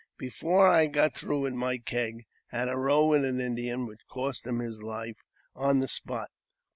Before I had got through with my keg I had a row with an Indian, which cost him his life on the spot.